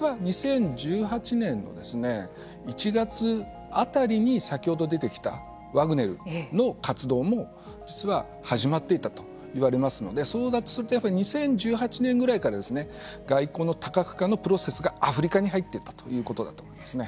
実は、２０１８年の１月あたりに先ほど出てきたワグネルの活動も実は始まっていたと言われますのでそうだとすると２０１８年ぐらいから外交の多角化のプロセスがアフリカに入っていったということだと思いますね。